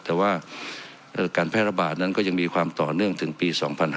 แต่ว่าการแพร่ระบาดนั้นก็ยังมีความต่อเนื่องถึงปี๒๕๕๙